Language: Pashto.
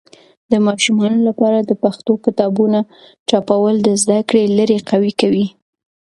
د ماشومانو لپاره د پښتو کتابونه چاپول د زده کړې لړی قوي کوي.